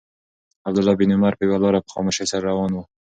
عبدالله بن عمر پر یوه لاره په خاموشۍ سره روان و.